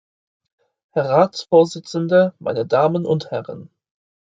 Herr Ratsvorsitzender, meine Damen und Herren!